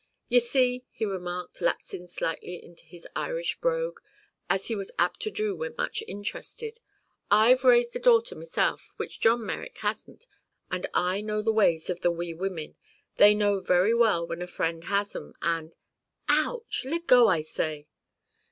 "Ye see," he remarked, lapsing slightly into his Irish brogue, as he was apt to do when much interested, "I've raised a daughter meself, which John Merrick hasn't, and I know the ways of the wee women. They know very well when a friend has 'em, and—Ouch! Leg go, I say!"